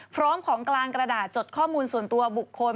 พร้อมของกลางกระดาษจดข้อมูลส่วนตัวบุคคล